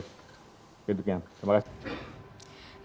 oke demikian terima kasih